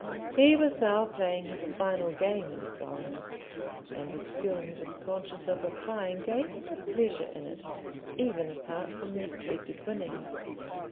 He was now playing his final game in Florence, and the skill he was conscious of applying gave him a pleasure in it even apart from the expected winnings.